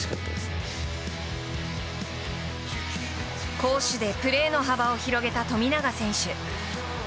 攻守でプレーの幅を広げた富永選手。